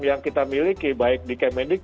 yang kita miliki baik di kemendik